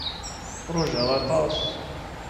Rujaɣ aṭas.